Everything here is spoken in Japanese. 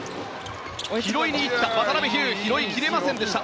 拾いに行った渡邉飛勇拾い切れませんでした。